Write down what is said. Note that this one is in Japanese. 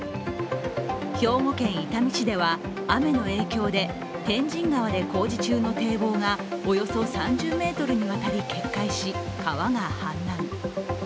兵庫県伊丹市では、雨の影響で天神川で工事中の堤防がおよそ３０ｍにわたり決壊し川が氾濫。